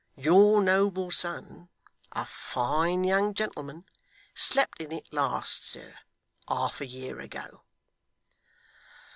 Your noble son a fine young gentleman slept in it last, sir, half a year ago.